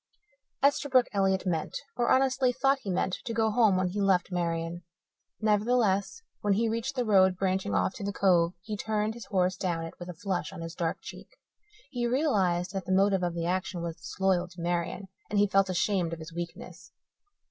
Esterbrook Elliott meant, or honestly thought he meant, to go home when he left Marian. Nevertheless, when he reached the road branching off to the Cove he turned his horse down it with a flush on his dark cheek. He realized that the motive of the action was disloyal to Marian and he felt ashamed of his weakness.